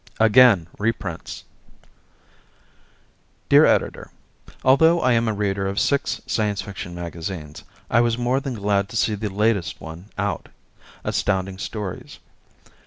Again Reprints Dear Editor: Although I am a reader of six Science Fiction magazines, I was more than glad to see the latest one out, Astounding Stories.